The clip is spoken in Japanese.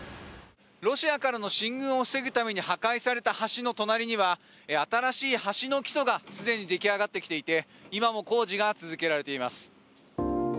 ロシアからの進軍を防ぐために破壊された橋の隣には新しい橋の基礎がすでに出来上がってきていて今も工事が続けられています。